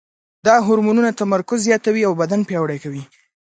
دا هورمونونه تمرکز زیاتوي او بدن پیاوړی کوي.